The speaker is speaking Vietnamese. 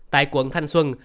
tại quận thanh xuân